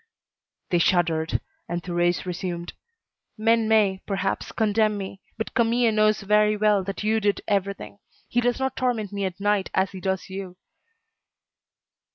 They shuddered, and Thérèse resumed: "Men may, perhaps, condemn me, but Camille knows very well that you did everything. He does not torment me at night as he does you."